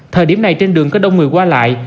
thời điểm này trên đường có đông người qua lại